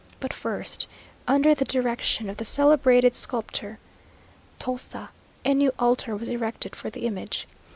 But first, under the direction of the celebrated sculptor Tolsa, a new altar was erected for the image.